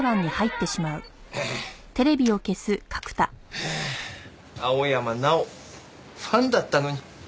はあ青山奈緒ファンだったのに。